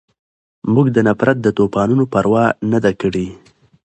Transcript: مونږ د نفرت د طوپانونو پروا نه ده کړې